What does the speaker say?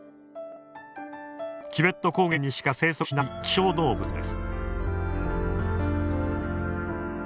チベット高原にしか生息していない希少動物です。